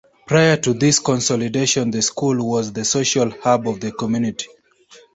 Prior to this consolidation the school was the social hub of the community.